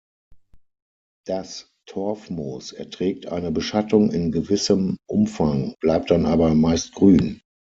Das Torfmoos erträgt eine Beschattung in gewissem Umfang, bleibt dann aber meist grün.